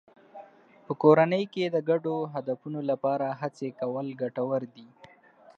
په کورنۍ کې د ګډو هدفونو لپاره هڅې کول ګټور دي.